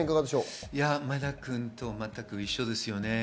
前田君と全く一緒です。